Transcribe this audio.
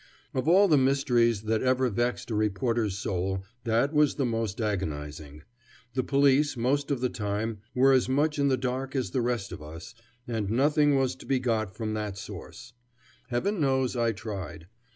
Of all the mysteries that ever vexed a reporter's soul, that was the most agonizing. The police, most of the time, were as much in the dark as the rest of us, and nothing was to be got from that source. Heaven knows I tried.